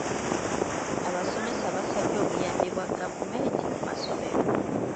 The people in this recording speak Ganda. Abasomesa baasabye obuyambi bwa gavumenti mu masomero.